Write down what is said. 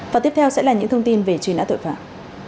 và tiếp theo sẽ là những thông tin về truy nã tội phạm